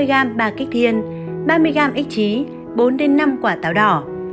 ba mươi g bà kích thiên ba mươi g ích trí bốn năm quả táo đỏ